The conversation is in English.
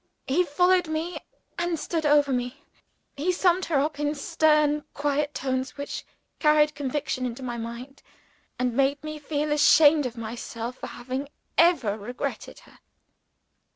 He followed me, and stood over me he summed her up in stern quiet tones, which carried conviction into my mind, and made me feel ashamed of myself for having ever regretted her.